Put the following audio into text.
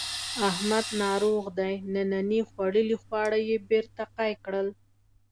احمد ناروغ دی ننني خوړلي خواړه یې بېرته قی کړل.